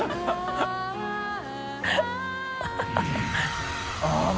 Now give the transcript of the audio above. ハハハ